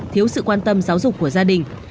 thiếu sự quan tâm giáo dục của gia đình